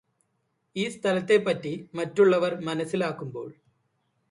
ഈ സ്ഥലത്തെപ്പറ്റി മറ്റുള്ളവര് മനസ്സിലാക്കുമ്പോള്